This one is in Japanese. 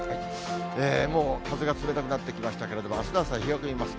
もう風が冷たくなってきましたけれども、あすの朝は冷え込みます。